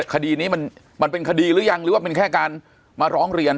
คดีนี้มันเป็นคดีหรือยังหรือว่าเป็นแค่การมาร้องเรียน